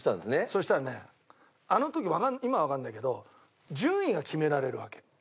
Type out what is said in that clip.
そしたらねあの時今はわかんないけど順位が決められるわけ。